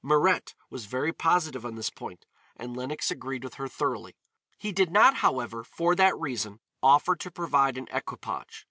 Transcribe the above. Mirette was very positive on this point and Lenox agreed with her thoroughly. He did not, however, for that reason offer to provide an equipage.